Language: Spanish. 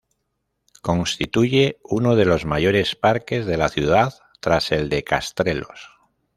Constituye uno de los mayores parques de la ciudad tras el de Castrelos.